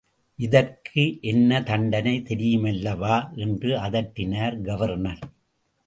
இதற்கு என்ன தண்டனை தெரியுமல்லவா என்று அதட்டினார் கவர்னர்.